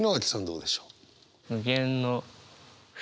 どうでしょう？